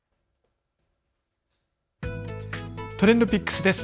ＴｒｅｎｄＰｉｃｋｓです。